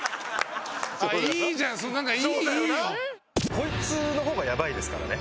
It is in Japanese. こいつの方がやばいですからね。